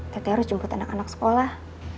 tete harus jemput anak anak sekolah